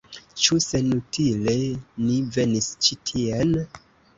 Ĉu senutile ni venis ĉi tien?